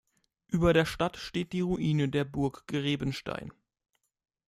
Über der Stadt steht die Ruine der Burg Grebenstein.